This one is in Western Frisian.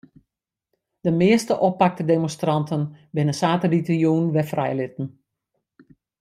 De measte oppakte demonstranten binne saterdeitejûn wer frijlitten.